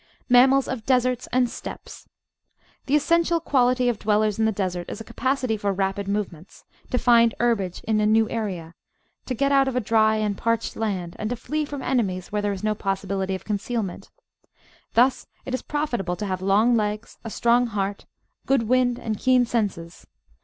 Mammals of Deserts and Steppes The essential quality of dwellers in the desert is a capacity for rapid movements — ^to find herbage in a new area, to get out of a dry and parched land, and to flee from enemies where there is no possibility of concealment. Thus it is profitable to have long legs, a strong heart, good wind, and keen senses.